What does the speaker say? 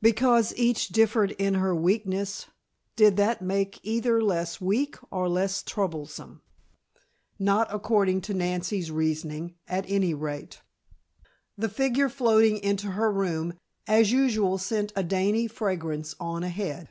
Because each differed in her weakness, did that make either less weak or less troublesome? Not according to Nancy's reasoning, at any rate. The figure floating into her room, as usual sent a dainty fragrance on ahead.